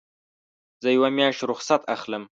زه یوه میاشت رخصت اخلم.